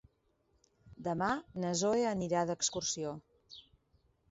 Demà na Zoè anirà d'excursió.